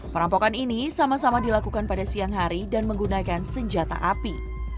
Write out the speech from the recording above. perampokan ini sama sama dilakukan pada siang hari dan menggunakan senjata api